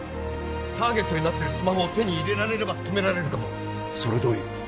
ターゲットになってるスマホを手に入れられれば止められるかもそれはどういう？